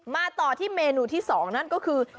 มาต่อที่เมนูที่๒นั่นก็คือ